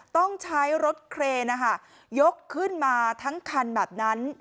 ต้องใช้รถเครนยกขึ้นมาทั้งคันแบบนั้น